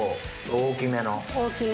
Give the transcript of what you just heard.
大きめに。